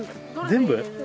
全部？